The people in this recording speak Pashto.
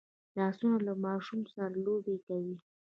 لاسونه له ماشوم سره لوبې کوي